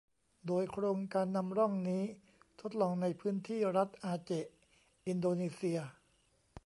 โดยโครงการนำร่องนี้ทดลองในพื้นที่รัฐอาเจะห์ อินโดนีเซีย